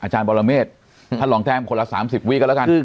อาจารย์บรรเมฆท่านรองแท้มคนละ๓๐วิกันแล้วกัน